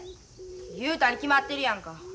雄太に決まってるやんか。